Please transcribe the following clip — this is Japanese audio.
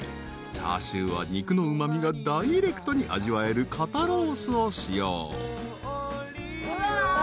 ［チャーシューは肉のうま味がダイレクトに味わえる肩ロースを使用］